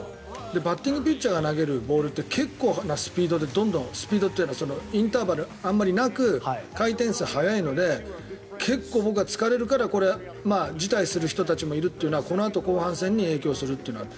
バッティングピッチャーが投げるボールって結構なスピードでインターバルがあまりなく回転数が速いので結構疲れるからこれ、辞退する人たちもいるというのはこのあと後半戦に影響するというのがある。